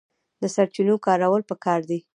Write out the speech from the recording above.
د سرچینو کارول پکار دي